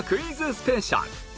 スペシャル